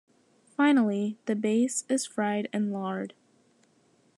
Finally the base is fried in lard.